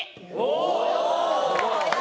お！